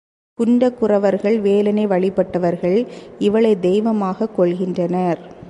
குன்றக் குறவர்கள் வேலனை வழிபட்டவர்கள் இவளைத் தெய்வமாகக் கொள்கின்றனர்.